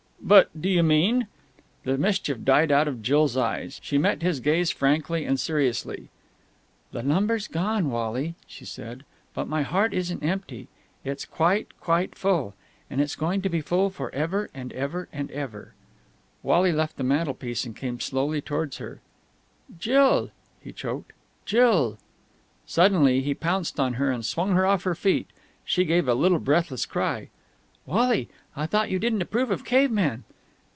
"But do you mean...?" The mischief died out of Jill's eyes. She met his gaze frankly and seriously. "The lumber's gone, Wally," she said. "But my heart isn't empty. It's quite, quite full, and it's going to be full for ever and ever and ever." Wally left the mantelpiece, and came slowly towards her. "Jill!" He choked. "Jill!" Suddenly he pounced on her and swung her off her feet She gave a little breathless cry. "Wally! I thought you didn't approve of cavemen!"